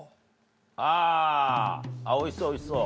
あぁあっおいしそうおいしそう。